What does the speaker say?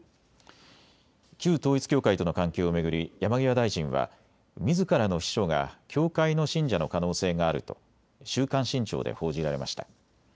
旧統一教会との関係を巡り山際大臣はみずからの秘書が教会の信者の可能性があると週刊新潮で報じられました。